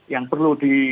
yang perlu di